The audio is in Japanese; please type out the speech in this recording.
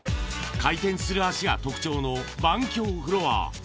回転する脚が特徴の万協フロア。